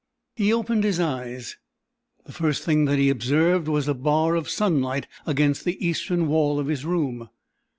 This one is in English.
He opened his eyes. The first thing that he observed was a bar of sunlight against the eastern wall of his room.